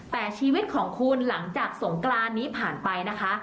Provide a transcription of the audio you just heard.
แต่ชีวิตของคุณหลังจากสงกรานนี้ผ่านไปนะคะ